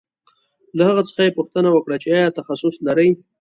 له هغه څخه یې پوښتنه وکړه چې آیا تخصص لرې